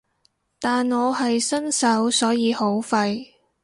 但我係新手所以好廢